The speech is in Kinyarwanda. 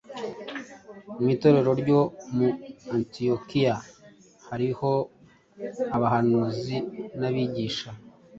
Mu Itorero ryo mu Antiyokiya hariho abahanuzi n’abigisha,